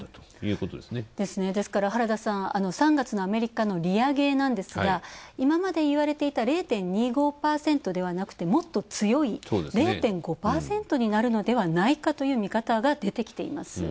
ですから原田さん、３月のアメリカの利上げなんですが、今まで言われていた０．２５％ではなくもっと強い０．５％になるのではないかという見方が出てきています。